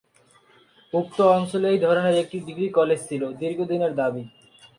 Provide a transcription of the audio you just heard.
উক্ত অঞ্চলে এই ধরনের একটি ডিগ্রি কলেজ ছিল দীর্ঘদিনের দাবি।